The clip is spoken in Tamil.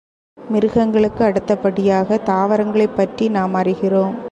மிருகங்களுக்கு அடுத்தபடியாகத் தாவரங்களைப் பற்றி நம் அறிகிறோம்.